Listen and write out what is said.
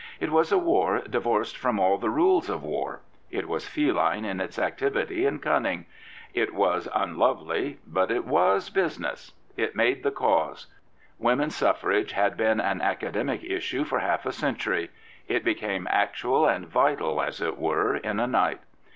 It was a war divorced from all the rules of war. It was feline in its activity and cunning. It was unlovely, but it was business. It made the cause. Women's suffrage had been an academic issue for half a century: it became actual and vital, as it were, in a night.